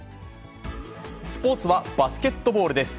スポーツはバスケットボールです。